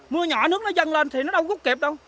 mưa nhỏ nước nó dần lên thì nó đâu có kịp đâu